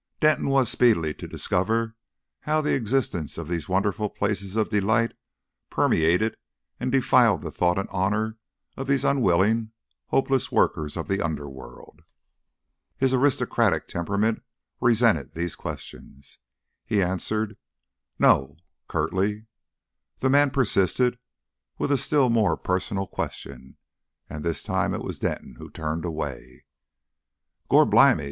Denton was speedily to discover how the existence of these wonderful places of delight permeated and defiled the thought and honour of these unwilling, hopeless workers of the underworld. His aristocratic temperament resented these questions. He answered "No" curtly. The man persisted with a still more personal question, and this time it was Denton who turned away. "Gorblimey!"